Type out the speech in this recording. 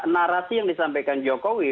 narasi yang disampaikan jokowi